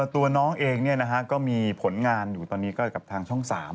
ตัวน้องเองก็มีผลงานอยู่ตอนนี้ก็กับทางช่อง๓